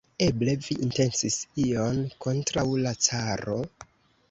Eble vi intencis ion kontraŭ la caro?